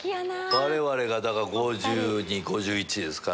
我々が５２５１ですから。